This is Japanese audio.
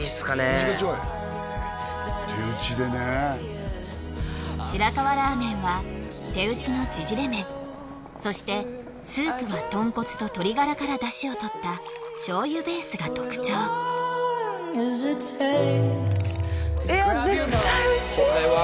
２時間ちょい手打ちでね白河ラーメンは手打ちの縮れ麺そしてスープは豚骨と鶏ガラから出汁をとった醤油ベースが特徴いや絶対おいしい！